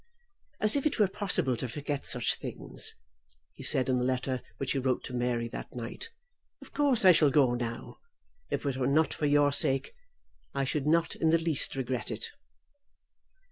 "As if it were possible to forget such things," he said in the letter which he wrote to Mary that night. "Of course I shall go now. If it were not for your sake, I should not in the least regret it."